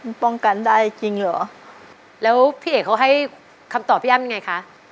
มันป้องกันได้จริงเหรอแล้วพี่เอกเขาให้คำตอบพี่อ้ำยังไงคะ